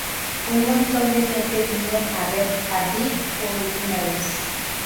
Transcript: Un montón de gente vino a ver a Big por última vez.